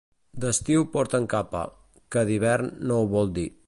D'estiu porten capa, que d'hivern no ho vol dir.